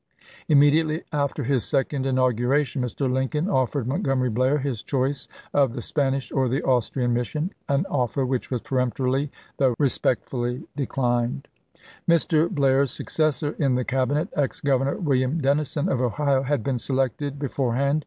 Immediately after his second inaugura tion Mr. Lincoln offered Montgomery Blair his choice of the Spanish or the Austrian mission, an toSi2fcroiu, offer which was peremptorily though respectfully Mar. 9, 1865. . t .. ms. declined. Mr. Blair's successor in the Cabinet, ex Governor William Dennison of Ohio, had been selected be forehand.